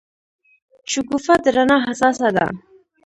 شګوفه د رڼا حساسه ده.